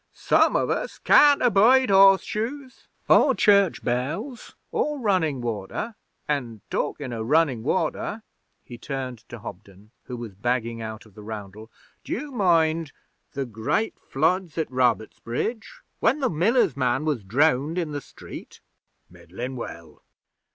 'Some of us can't abide Horseshoes, or Church Bells, or Running Water; an', talkin' o' runnin' water' he turned to Hobden, who was backing out of the roundel 'd'you mind the great floods at Robertsbridge, when the miller's man was drowned in the street?' 'Middlin' well.'